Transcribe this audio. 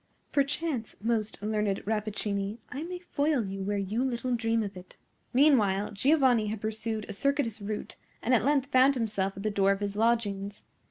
Perchance, most learned Rappaccini, I may foil you where you little dream of it!" Meanwhile Giovanni had pursued a circuitous route, and at length found himself at the door of his lodgings.